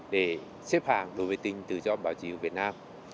để xếp hàng đối với tình tự do báo chí của việt nam